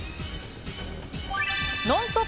「ノンストップ！」